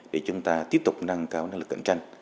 để chúng ta tiếp tục nâng cao năng lực cạnh tranh